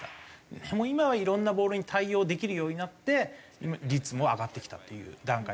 でも今はいろんなボールに対応できるようになって率も上がってきたっていう段階ですね。